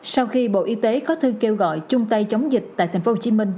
sau khi bộ y tế có thư kêu gọi chung tay chống dịch tại tp hcm